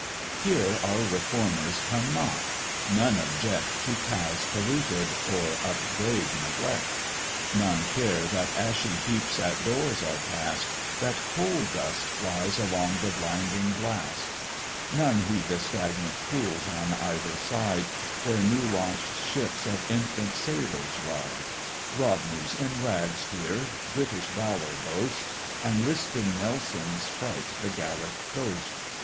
Here our reformers come not; none object To paths polluted, or upbraid neglect; None care that ashy heaps at doors are cast, That coal dust flies along the blinding blast: None heed the stagnant pools on either side, Where new launch'd ships of infant sailors ride: Rodneys in rags here British valour boast, And lisping Nelsons fright the Gallic coast.